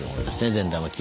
善玉菌の。